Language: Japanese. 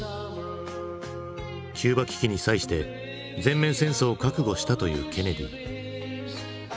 キューバ危機に際して全面戦争を覚悟したというケネディ。